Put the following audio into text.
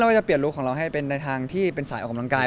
ว่าจะเปลี่ยนลุคของเราให้เป็นในทางที่เป็นสายออกกำลังกาย